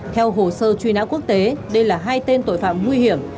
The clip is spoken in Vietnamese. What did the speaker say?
theo hồ sơ truy nã quốc tế đây là hai tên tội phạm nguy hiểm